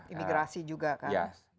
imigrasi juga kan